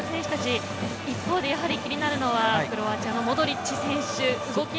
一方で気になるのはクロアチアのモドリッチ選手。